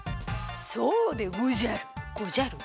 そうでごじゃる！